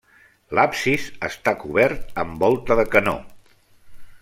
L'absis està cobert amb volta de canó.